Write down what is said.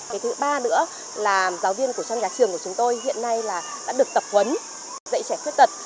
cái thứ ba nữa là giáo viên của trong nhà trường của chúng tôi hiện nay là đã được tập huấn dạy trẻ khuyết tật